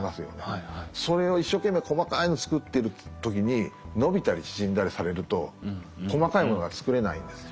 それを一生懸命細かいの作ってる時に伸びたり縮んだりされると細かいものが作れないんですよ。